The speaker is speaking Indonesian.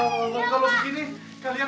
gue ngasih kejutan